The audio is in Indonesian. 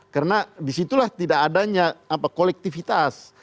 karena disitulah tidak adanya apa kolektivitas